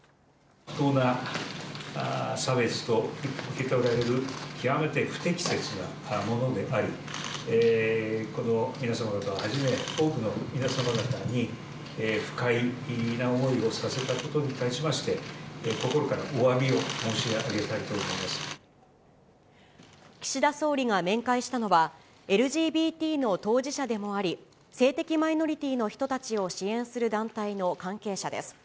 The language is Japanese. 不当な差別と受け取られる極めて不適切なものであり、この皆様方をはじめ、多くの皆様方に不快な思いをさせたことに対しまして心からおわび岸田総理が面会したのは、ＬＧＢＴの当事者でもあり、性的マイノリティーの人たちを支援する団体の関係者です。